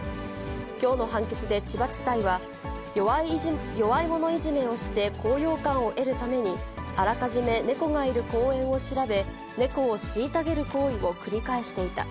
きょうの判決で千葉地裁は、弱いものいじめをして高揚感を得るために、あらかじめ猫がいる公園を調べ、猫を虐げる行為を繰り返していた。